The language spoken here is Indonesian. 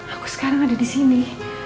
aku sekarang ada di sini